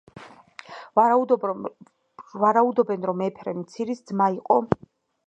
ვარაუდობენ, რომ ეფრემ მცირის ძმა იყო.